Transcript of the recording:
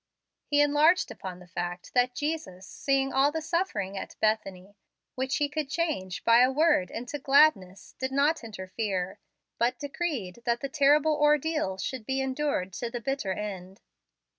He enlarged upon the fact that Jesus, seeing all the suffering at Bethany, which He could change by a word into gladness, did not interfere, but decreed that the terrible ordeal should be endured to the bitter end.